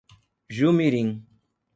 Jumirim